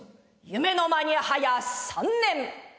夢の間に早３年。